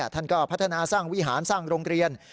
ท่านก็พัฒนาสร้างวิหารสร้างโรงเรียน